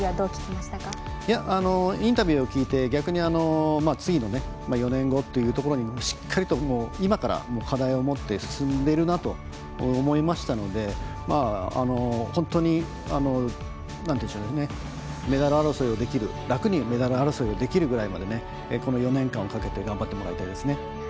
インタビューを聞いて逆に次の４年後というところにしっかりと今から課題を持って進んでいるなと思いましたので本当に楽にメダル争いをできるぐらいまでこの４年間をかけて頑張ってもらいたいですね。